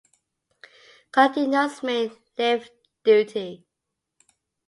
Color denotes main live duty.